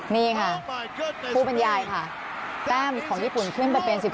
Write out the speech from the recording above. นี่คะผู้เป็นยายค่ะแต้มของญี่ปุ่นขึ้น๑๔ปุ๊บเข้าไปเลยค่ะ